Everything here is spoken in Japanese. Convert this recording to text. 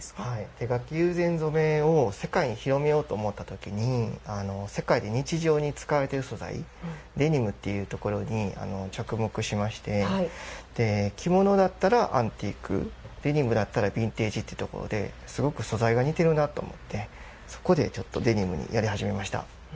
手描き友禅染を世界に広めようと思った時に世界で日常に使われている素材デニムっていうところに着目しまして着物だったらアンティークデニムだったらビンテージというところですごく素材が似てるなと思ってそこで、ちょっとデニムにやり始めました。